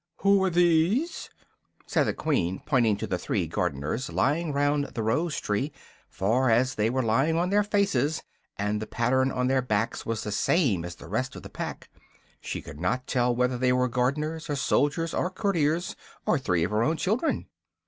"Who are these?" said the Queen, pointing to the three gardeners lying round the rose tree, for, as they were lying on their faces, and the pattern on their backs was the same as the rest of the pack, she could not tell whether they were gardeners, or soldiers, or courtiers, or three of her own children.